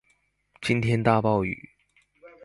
今天大暴雨